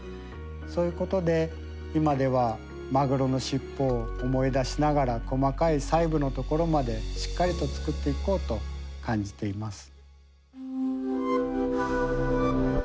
そういうことで今ではマグロの尻尾を思い出しながら細かい細部のところまでしっかりと作っていこうと感じています。